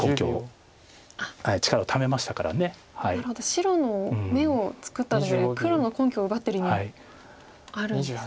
白の眼を作っただけでなく黒の根拠を奪ってる意味もあるんですね。